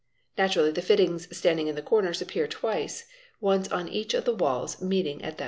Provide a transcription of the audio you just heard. Naturally the fittings standing in the corners appear twice, once on each of the walls meeting at bi point.